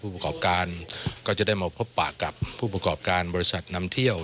ประกอบการก็จะได้มาพบปากกับผู้ประกอบการบริษัทนำเที่ยว